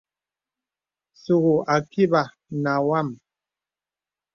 Sùŋūū àkībà nà wàm.